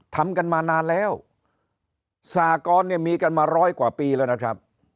ทำกันมานานแล้วสากรเนี่ยมีกันมาร้อยกว่าปีแล้วนะครับ